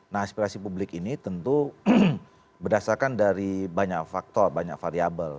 nah aspirasi publik ini tentu berdasarkan dari banyak faktor banyak variable